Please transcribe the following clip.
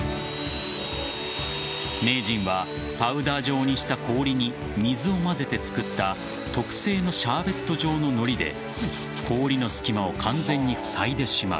名人はパウダー状にした氷に水をまぜて作った特製のシャーベット状ののりで氷の裂け目を完全に塞いでしまう。